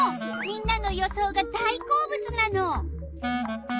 みんなの予想が大好物なの。